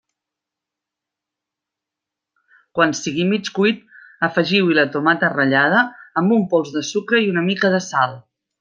Quan sigui mig cuit, afegiu-hi la tomata ratllada amb un pols de sucre i una mica de sal.